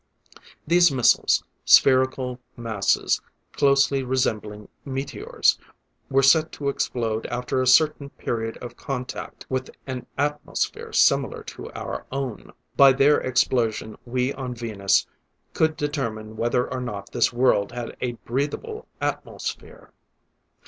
These missiles, spherical masses closely resembling meteors, were set to explode after a certain period of contact with an atmosphere similar to our own. By their explosion we on Venus could determine whether or not this world had a breathable atmosphere.